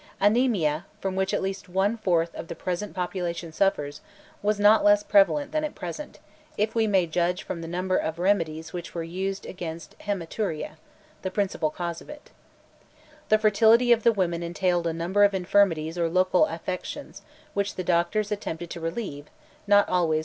Anaemia, from which at least one fourth of the present population suffers, was not less prevalent than at present, if we may judge from the number of remedies which were used against hematuria, the principal cause of it. The fertility of the women entailed a number of infirmities or local affections which the doctors attempted to relieve, not always with success.[*] * With regard to the diseases of women, cf. Ebers Papyrus, pis. xciii.